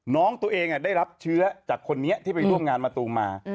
น้องตัวเองได้รับเชื้อจากคนนี้ที่ไปร่วมงานมะตูมมา